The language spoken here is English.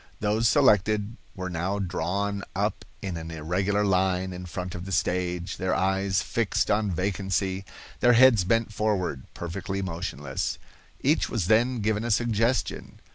Those selected were now drawn up in an irregular line in front of the stage, their eyes fixed on vacancy, their heads bent forward, perfectly motionless. Each was then given a suggestion.